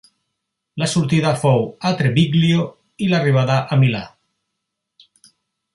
La sortida fou a Treviglio i l'arribada a Milà.